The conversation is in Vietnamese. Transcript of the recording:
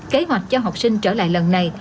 kế hoạch cho học sinh trở lại lần này